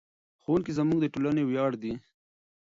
ښوونکي زموږ د ټولنې ویاړ دي.